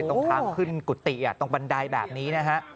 ตรงทางขึ้นกุฏิตรงบันไดแบบนี้นะฮะ